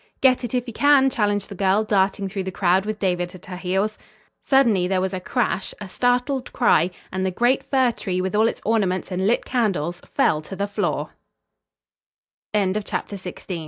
"Get it if you can!" challenged the girl, darting through the crowd with David at her heels. Suddenly there was a crash, a startled cry and the great fir tree with all its ornaments and lighted candles fell to t